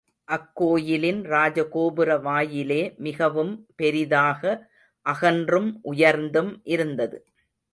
அக்கோயிலின் ராஜ கோபுர வாயிலே மிகவும் பெரிதாக அகன்றும் உயர்ந்தும் இருந்தது.